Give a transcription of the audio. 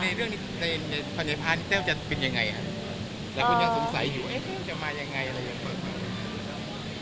ในเรื่องในฟันไยภาคเต้วจะเป็นยังไงหลายคนยังสงสัยอยู่จะมายังไงอะไรอย่างเบิกมา